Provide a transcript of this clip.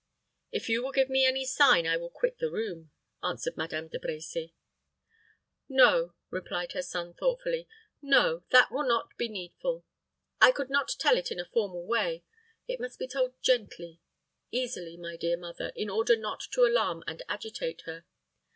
"If you will give me any sign, I will quit the room," answered Madame De Brecy. "No," replied her son, thoughtfully; "no: that will not be needful. I could not tell it in a formal way. It must be told gently, easily, my dear mother, in order not to alarm and agitate her.